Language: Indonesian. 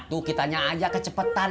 atuh kitanya aja kecepetan